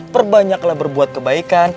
perbanyaklah berbuat kebaikan